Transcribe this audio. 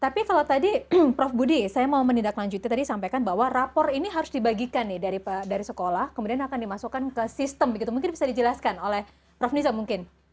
tapi kalau tadi prof budi saya mau menindaklanjuti tadi sampaikan bahwa rapor ini harus dibagikan nih dari sekolah kemudian akan dimasukkan ke sistem begitu mungkin bisa dijelaskan oleh prof nizam mungkin